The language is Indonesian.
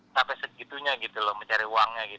sampai segitunya gitu loh mencari uangnya gitu